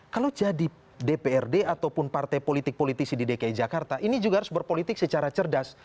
kalau jadi dprd ataupun partai politik politisi di dki jakarta ini juga harus berpolitik secara cerdas